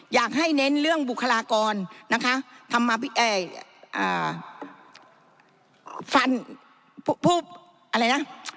อยากให้เน้นเรื่องบุคลากรนะคะทำมาเอ่ยอ่าฟันผู้อะไรนะ